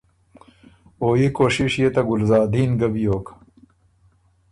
او يي کوشِش يې ته ګلزادین ګۀ بیوک۔